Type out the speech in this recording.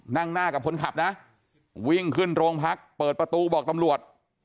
นั่งหน้ากับคนขับนะวิ่งขึ้นโรงพักเปิดประตูบอกตำรวจ